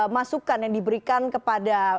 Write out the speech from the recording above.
masukkan yang diberikan kepada